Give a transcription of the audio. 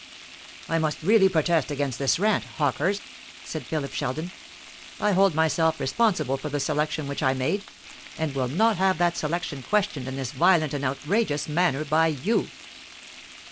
"I must really protest against this rant, Hawkehurst," said Philip Sheldon. "I hold myself responsible for the selection which I made, and will not have that selection questioned in this violent and outrageous manner by you.